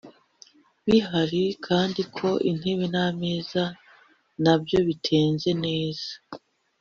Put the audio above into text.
bihari kandi ko intebe n ameza na byo bitenze neza